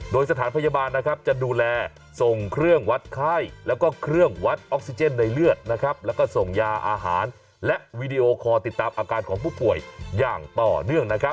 โดยสถานพยาบาลจะดูแลส่งเครื่องวัดไข้แล้วก็เครื่องวัดออกซิเจนในเลือดแล้วก็ส่งยาอาหารและวีดีโอคอลติดตามอาการของผู้ป่วยอย่างต่อเนื่องนะครับ